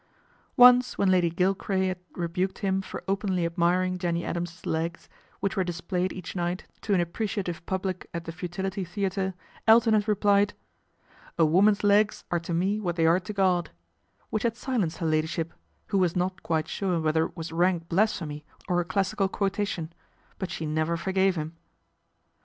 Once when Lady Gilcray had rebuked him for openly admiring Jenny Adam's legs, which were displayed each night to an appreciative public at the Futility Theatre, Elton had replied, " A woman's legs are to me what they are to God," which had silenced her Ladyship, who was not quite sure whether it was rank blasphemy or a classical quotation ; but she never forgave him.